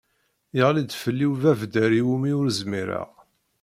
Yeɣli-d fell-i ubabder i wumi ur zmireɣ.